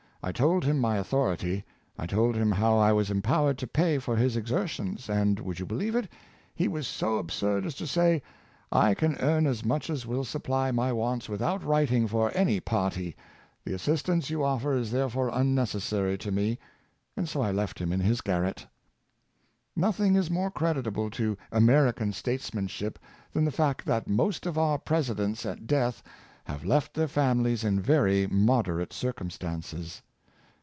I told him my authority. I told him how I was empowered to pay fbr his exertions; and, would you believe it? — he was so absurd as to say, ' I can earn as much as will supply my wants without writing for any party; the assistance you offer is therefore unnecessary to me; ' and so I left him in his garret." Nothing is more creditable to American statesman ship than the fact that most of our Presidents at death have left their families in very moderate circumstances.